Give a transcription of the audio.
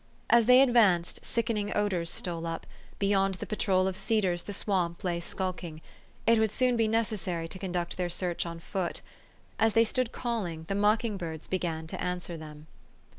As they advanced, sickening odors stole up ; beyond the patrol of cedars the swamp lay skulking. It would soon be necessary to conduct their search on foot. As they stood calling, the mocking birds began to answer them.